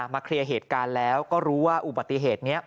เคลียร์เหตุการณ์แล้วก็รู้ว่าอุบัติเหตุนี้